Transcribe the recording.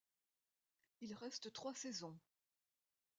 Il reste trois saisons.